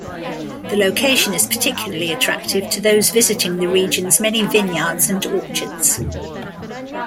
The location is particularly attractive to those visiting the region's many vineyards and orchards.